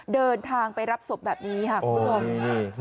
เดินทางไปรับศพแบบนี้ค่ะคุณผู้ชม